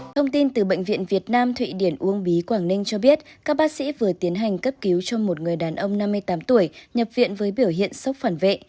thông tin từ bệnh viện việt nam thụy điển uông bí quảng ninh cho biết các bác sĩ vừa tiến hành cấp cứu cho một người đàn ông năm mươi tám tuổi nhập viện với biểu hiện sốc phản vệ